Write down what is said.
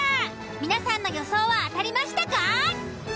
皆さんの予想は当たりましたか？